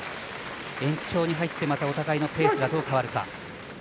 延長に入ってお互いのペースがどう変わるか。